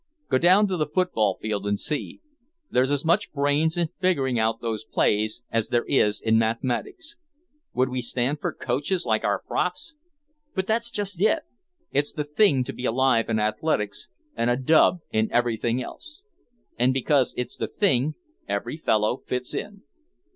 Go down to the football field and see. There's as much brains in figuring out those plays as there is in mathematics. Would we stand for coaches like our profs? But that's just it. It's the thing to be alive in athletics and a dub in everything else. And because it's the thing, every fellow fits in.